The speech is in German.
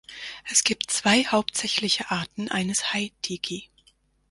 Es gibt zwei hauptsächliche Arten eines Hei-Tiki.